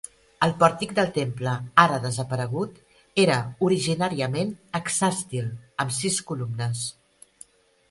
El pòrtic del temple, ara desaparegut, era originàriament hexàstil, amb sis columnes.